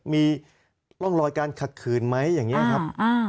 มีร่องรอยการขัดขืนไหมอย่างนี้ครับ